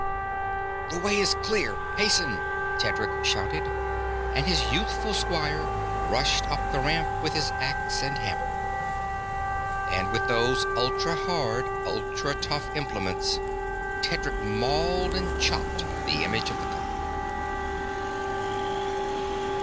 "The way is clear! Hasten!" Tedric shouted, and his youthful squire rushed up the ramp with his axe and hammer. And with those ultra hard, ultra tough implements Tedric mauled and chopped the image of the god.